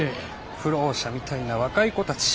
浮浪者みたいな若い子たち。